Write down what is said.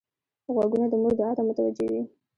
غوږونه د مور دعا ته متوجه وي